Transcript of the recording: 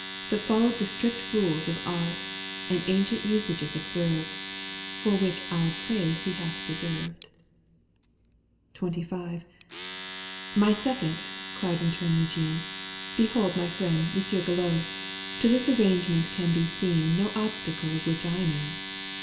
But followed the strict rules of art, And ancient usages observed (For which our praise he hath deserved), XXV. " My second !" cried in turn Eugene, " Behold my friend Monsieur Guillot ; To this arrangement can be seen ^ No obstacle of which I know.